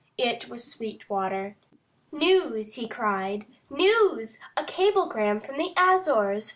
It was Sweetwater. "News!" he cried. "News! A cablegram from the Azores!